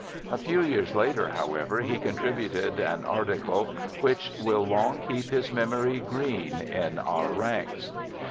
A few years later, however, he contributed an article which will long keep his memory green in our ranks.